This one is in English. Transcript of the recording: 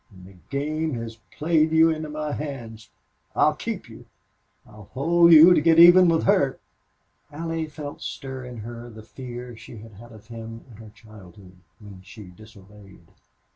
"And the game has played you into my hands. I'll keep you. I'll hold you to get even with her." Allie felt stir in her the fear she had had of him in her childhood when she disobeyed.